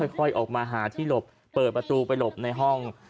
ค่อยออกมาหาที่หลบเปิดประตูไปหลบในห้อง